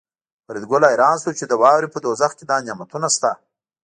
فریدګل حیران شو چې د واورې په دوزخ کې دا نعمتونه شته